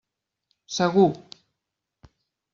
Segur!